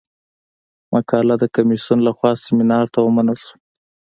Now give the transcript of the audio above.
مقاله د کمیسیون له خوا سیمینار ته ومنل شوه.